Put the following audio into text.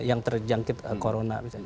yang terjangkit corona